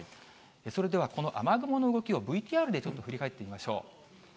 それではこの雨雲の動きをＶＴＲでちょっと振り返ってみましょう。